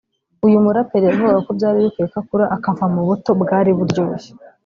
uyu muraperi yavugaga ko byari bikwiye ko akura akava mu buto bwari buryoshye